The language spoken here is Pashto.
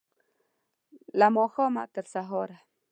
له ماښامه، تر سهاره